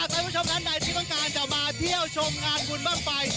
ท่านผู้ชมท่านใดที่ต้องการจะมาเที่ยวชมงานคุณบ้างไฟ